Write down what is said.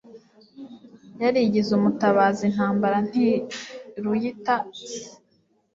Yarigize umutabazi Intambara ntiruyita si